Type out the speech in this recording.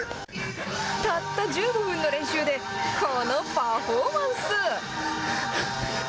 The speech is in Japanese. たった１５分の練習で、このパフォーマンス。